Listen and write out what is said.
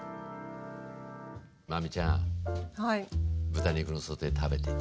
真海ちゃん豚肉のソテー食べて。